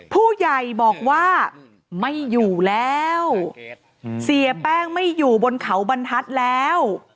ผู้ใหญ่บอกว่าไม่อยู่แล้วเสียแป้งไม่อยู่บนเขาบรรทัศน์แล้ว